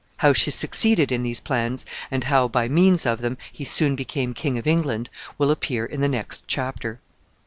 How she succeeded in these plans, and how, by means of them, he soon became King of England, will appear in the next chapter.